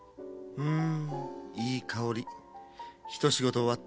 うん。